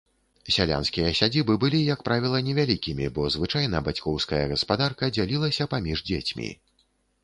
Сялянскія сядзібы былі як правіла невялікімі, бо звычайна бацькоўская гаспадарка дзялілася паміж дзецьмі.